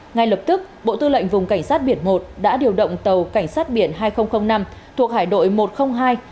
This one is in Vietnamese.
ngay lập tức bộ tư lệnh vùng cảnh sát biển một đã điều động tàu cảnh sát biển hai nghìn năm thuộc hải đội một trăm linh hai